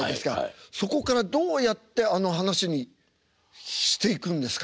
そこからどうやってあの噺にしていくんですか？